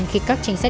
khi các trinh sát